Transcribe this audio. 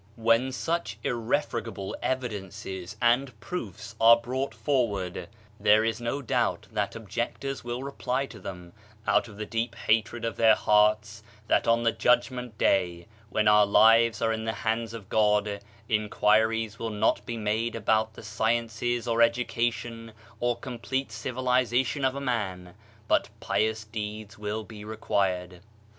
When such irrefragable evidences and proofs are brought forward, there is no doubt that ob jectors will reply to them, out of the deep hatred of their hearts, that on the Judgment Day when our lives are in the hands of God, inquiries will not be made about the sciences or education or complete civilization of a man, but pious deeds will be required.